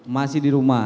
masih di rumah